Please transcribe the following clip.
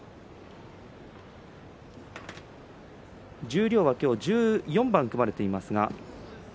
十両は今日１４番組まれています。